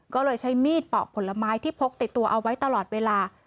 ก็เลยใช้มีดปอกผลไม้ที่พกติดตัวเอาไว้ตลอดเวลา